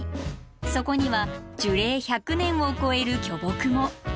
そこには樹齢１００年を超える巨木も。